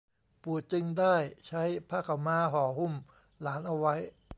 ปู่จึงได้ใช้ผ้าขาวม้าห่อหุ้มหลานเอาไว้